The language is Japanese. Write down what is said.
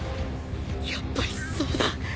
やっぱりそうだ